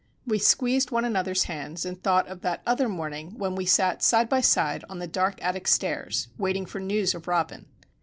We squeezed one another's hands, and thought of that other morning when we sat side by side on the dark attic stairs, waiting for news of Robin.